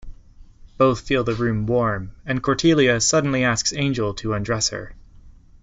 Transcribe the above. Both feel the room warm, and Cordelia suddenly asks Angel to undress her.